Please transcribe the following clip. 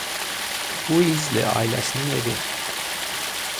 Uizli ailəsinin evi.